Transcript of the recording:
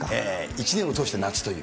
一年を通して夏という。